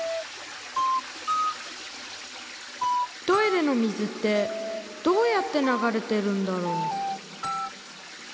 トイレの水ってどうやって流れてるんだろう？